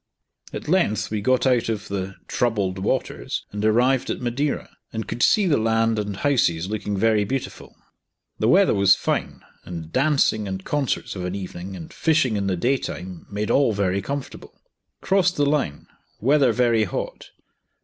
At length we got out of the "troubled waters," and arrived at Madeira, and could see the land and houses looking very beautiful. The weather was fine, and dancing and concerts of an evening, and fishing in the day time, made all very comfortable. Crossed the line; weather very hot.